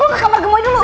gue ke kamar gemoy dulu